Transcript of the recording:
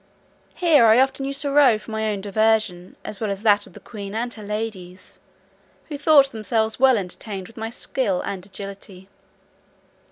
Here I often used to row for my own diversion, as well as that of the queen and her ladies, who thought themselves well entertained with my skill and agility.